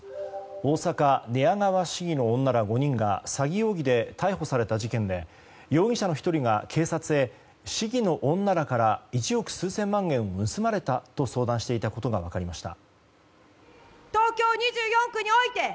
大阪・寝屋川市議の女ら５人が詐欺容疑で逮捕された事件で容疑者の１人が警察へ、市議の女らから１億数千万円を盗まれたと相談していたことが分かりました。